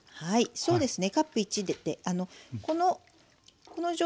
そうですね。